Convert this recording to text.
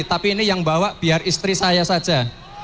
tapi ini yang bawa biar istri saya saja